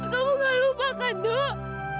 kamu gak lupakan dok